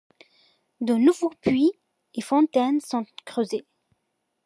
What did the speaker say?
De nouveaux puits et fontaines sont creusés.